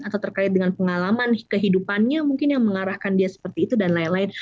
atau terkait dengan pengalaman kehidupannya mungkin yang mengarahkan dia seperti itu dan lain lain